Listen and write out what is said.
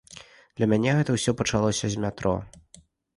Для мяне гэта ўсё пачалося з метро.